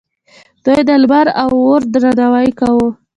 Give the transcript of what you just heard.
دوی د لمر او اور درناوی کاوه